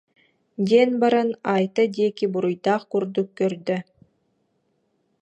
диэн баран, Айта диэки буруйдаах курдук көрдө